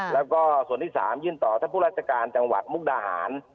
แล้วก็ส่วนที่๓ยื่นต่อท่านผู้ราชการจังหวัดมุกดาหาร